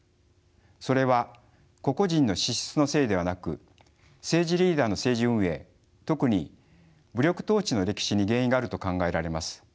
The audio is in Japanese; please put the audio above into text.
それは個々人の資質のせいではなく政治リーダーの政治運営特に武力統治の歴史に原因があると考えられます。